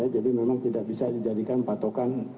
jadi memang tidak bisa dijadikan patokan